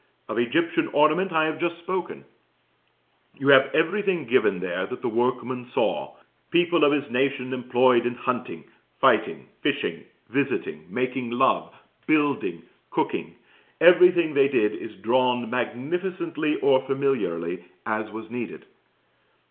Of Egyptian ornament I have just spoken. You have everything given there that the workman saw; people of his nation employed in hunting, fighting, fishing, visiting, making love, building, cooking everything they did is drawn, magnificently or familiarly, as was needed.